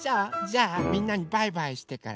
じゃあみんなにバイバイしてから。